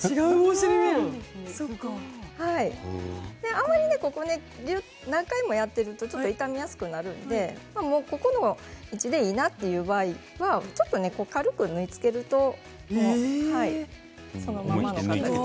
あまり、ここ何回もやってるので傷みやすくなるのでここの位置でいいなという場合はちょっと軽く縫い付けるとそのままの形に。